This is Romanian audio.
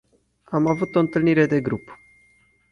Am avut o întâlnire de grup.